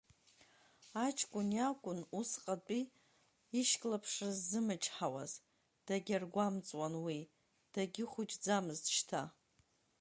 Аҷкәын иакәын усҟатәи ишьклаԥшра ззымычҳауаз, дагьаргәамҵуан уи дагьыхәыҷӡамызт шьҭа.